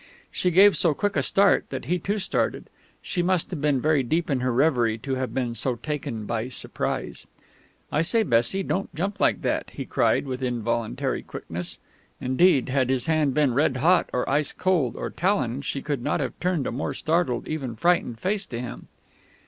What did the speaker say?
She gave so quick a start that he too started. She must have been very deep in her reverie to have been so taken by surprise. "I say, Bessie, don't jump like that!" he cried with involuntary quickness. Indeed, had his hand been red hot, or ice cold, or taloned, she could not have turned a more startled, even frightened, face to him.